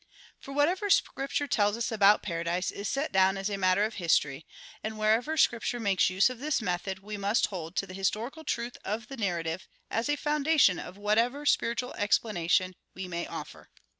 For whatever Scripture tells us about paradise is set down as matter of history; and wherever Scripture makes use of this method, we must hold to the historical truth of the narrative as a foundation of whatever spiritual explanation we may offer.